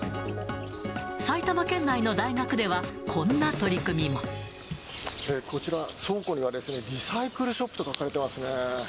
埼玉県内の大学では、こちら、倉庫にはリサイクルショップと書かれてますね。